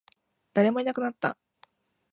誰もいなくなった